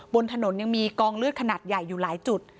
บนถนนยังมีกองเลือดขนาดใหญ่อยู่หลายจุด